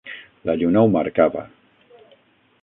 La lluna ho marcava.